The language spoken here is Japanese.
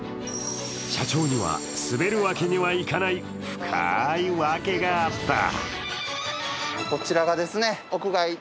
社長には、滑るわけにはいかない深いわけがあった。